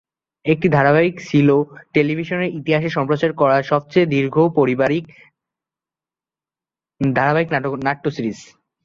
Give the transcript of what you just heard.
এ ধারাবাহিকটি ছিল টেলিভিশনের ইতিহাসে সম্প্রচার করা সবচেয়ে দীর্ঘ পারিবারিক ধারাবাহিক নাট্য সিরিজ।